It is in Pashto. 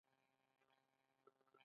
موږ باید د ژبې هوښیار ساتونکي اوسو.